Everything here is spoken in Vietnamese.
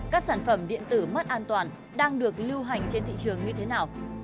các sản phẩm điện tử mất an toàn đang được lưu hành trên thị trường như thế nào